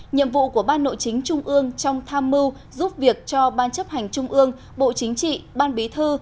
nhiệm vụ của ban nội chính trung ương trong tham mưu giúp việc cho ban chấp hành trung ương bộ chính trị ban bí thư